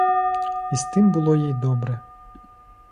І з тим було їй добре.